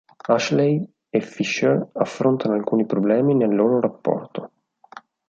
Ashleigh e Fisher affrontano alcuni problemi nel loro rapporto.